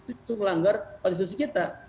itu melanggar konstitusi kita